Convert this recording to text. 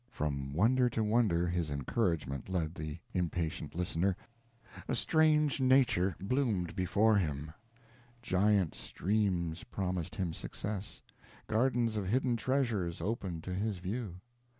From wonder to wonder, his encouragement led the impatient listener. A strange nature bloomed before him giant streams promised him success gardens of hidden treasures opened to his view.